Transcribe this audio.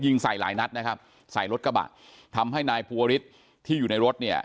ใส่หลายนัดนะครับใส่รถกระบะทำให้นายภูวริสที่อยู่ในรถเนี่ย